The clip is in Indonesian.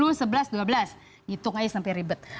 hitung aja sampai ribet